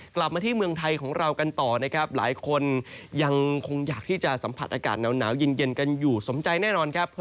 กลับมาที่เมืองไทยของเรากันต่อหลายคนยังคงอยากได้จะสัมผัสอากาศนาวฮจริงกันสมใจแน่นอนครับ